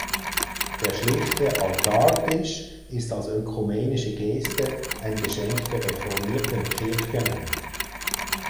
Der schlichte Altartisch ist als ökumenische Geste ein Geschenk der reformierten Kirchgemeinde.